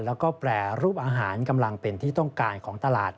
แล้วก็แปรรูปอาหารกำลังเป็นที่ต้องการของตลาด